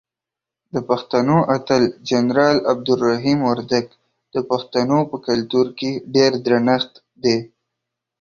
دپښتنو اتل جنرال عبدالرحیم وردک دپښتنو په کلتور کې ډیر درنښت دی.